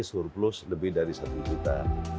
surplus lebih dari satu juta